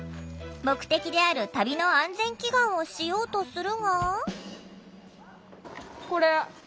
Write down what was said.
目的である旅の安全祈願をしようとするが。